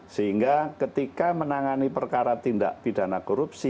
sehingga ketika menangani perkara tindak pidana korupsi